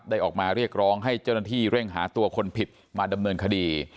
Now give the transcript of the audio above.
ออกมาเรียกร้องให้เจ้าหน้าที่เร่งหาตัวคนผิดมาดำเนินคดี